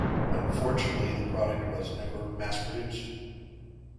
Unfortunately the product was never mass-produced.